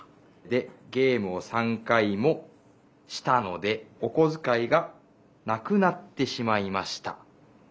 で「ゲームを３かいも『したので』おこづかいが『なくなってしまいました』」にかえました。